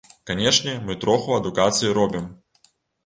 Канешне, мы троху адукацыі робім.